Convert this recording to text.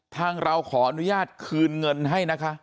เราขออนุญาตคืนเงินให้นะคะ